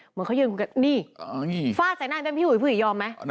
เหมือนเขายืนกันนี่ฝ้าใส่หน้าเป็นพี่ห่วยผู้หญิงยอมไหม